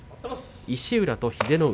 石浦と英乃海